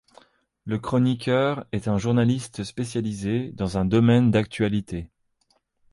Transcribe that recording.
Le chroniqueur est un journaliste spécialisé dans un domaine d'actualités.